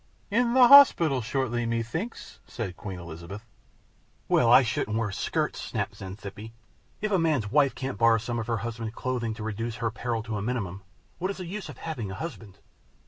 "In the hospital shortly, methinks," said Queen Elizabeth. "Well, I shouldn't wear skirts," snapped Xanthippe. "If a man's wife can't borrow some of her husband's clothing to reduce her peril to a minimum, what is the use of having a husband?